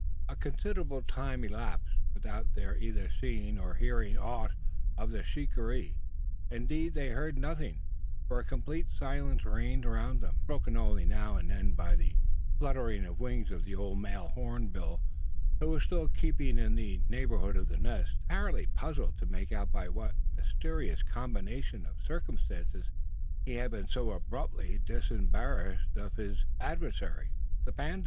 A considerable time elapsed, without their either seeing or hearing aught of the shikaree. Indeed they heard nothing: for a complete silence reigned around them, broken only now and then by the fluttering of the wings of the old male hornbill who was still keeping in the neighbourhood of the nest, apparently puzzled to make out by what mysterious combination of circumstances he had been so abruptly disembarrassed of his adversary, the panda.